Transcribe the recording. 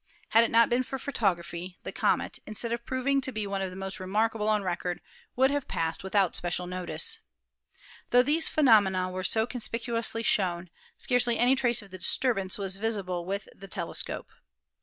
Had it not been for photography, the comet, instead of proving to be one of the most remarkable on record, would have passed without special notice. The* these phenomena were so conspicuously shown, scarcely any trace of the disturbance was visible with the tele scope.